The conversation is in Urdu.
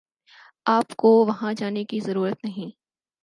آپ کو وہاں جانے کی ضرورت نہیں